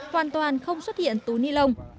hoàn toàn không xuất hiện túi ni lông